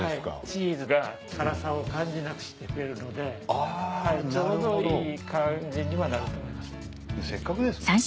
チーズが辛さを感じなくしてくれるのでちょうどいい感じにはなると思います。